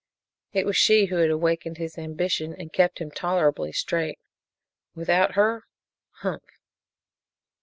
It was she who had awakened his ambition and kept him tolerably straight. Without her? Humph!